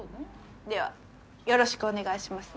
ではよろしくお願いします。